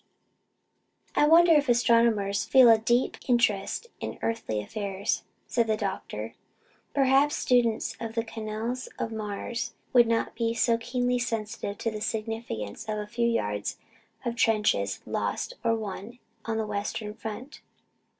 "I wonder if astronomers feel a very deep interest in earthly affairs?" said the doctor. "Perhaps students of the canals of Mars would not be so keenly sensitive to the significance of a few yards of trenches lost or won on the western front."